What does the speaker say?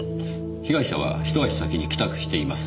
被害者はひと足先に帰宅しています。